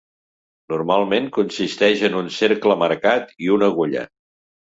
Normalment consisteix en un cercle marcat i una agulla.